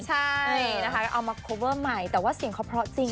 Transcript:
ใช่นะคะก็เอามาโคเวอร์ใหม่แต่ว่าเสียงเขาเพราะจริง